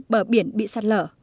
bờ biển bị sạt lở